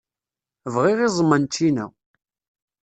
Bɣiɣ iẓem n ččina.